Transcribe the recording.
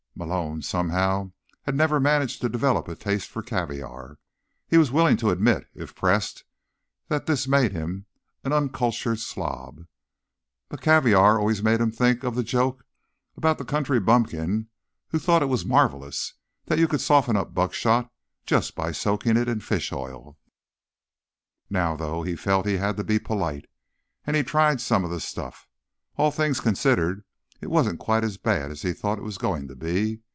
Malone, somehow, had never managed to develop a taste for caviar. He was willing to admit, if pressed, that this made him an uncultured slob, but caviar always made him think of the joke about the country bumpkin who thought it was marvelous that you could soften up buckshot just by soaking it in fish oil. Now, though, he felt he had to be polite, and he tried some of the stuff. All things considered, it wasn't quite as bad as he'd thought it was going to be.